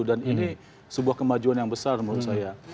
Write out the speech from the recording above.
dan ini sebuah kemajuan yang besar menurut saya